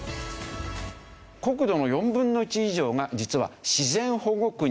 国土の４分の１以上が実は自然保護区になっている。